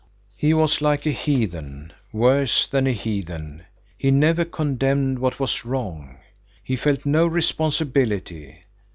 He was like a heathen, worse than a heathen; he never condemned what was wrong. He felt no responsibility.